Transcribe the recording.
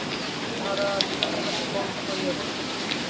তাঁহারা আসিলে উপন্যাসটি বন্ধ করিয়া দিই।